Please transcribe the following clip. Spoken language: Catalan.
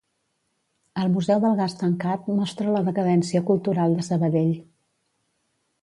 El Museu del Gas tancat mostra la decadència cultural de Sabadell.